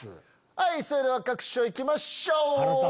はいそれでは各所いきましょう。